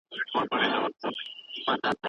هغه وایي چې د وطن هر کاڼی د تاریخ یو بېل باب دی.